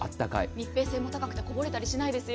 密閉性も高くてこぼれたりしないですよ。